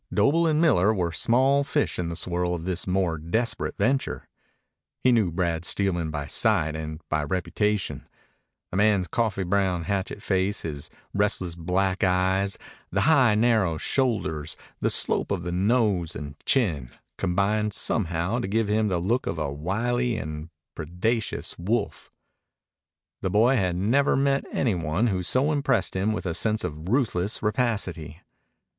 Doble and Miller were small fish in the swirl of this more desperate venture. He knew Brad Steelman by sight and by reputation. The man's coffee brown, hatchet face, his restless, black eyes, the high, narrow shoulders, the slope of nose and chin, combined somehow to give him the look of a wily and predacious wolf. The boy had never met any one who so impressed him with a sense of ruthless rapacity.